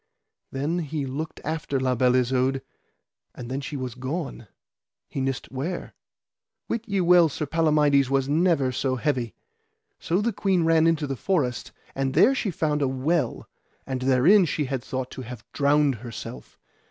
Then he looked after La Beale Isoud, and then she was gone he nist where. Wit ye well Sir Palamides was never so heavy. So the queen ran into the forest, and there she found a well, and therein she had thought to have drowned herself.